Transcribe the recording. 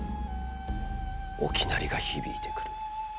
沖鳴りが響いてくる。